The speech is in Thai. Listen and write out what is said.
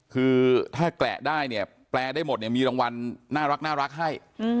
คือถ้ากลายได้แปรได้หมดมีรางวัลน่ารักให้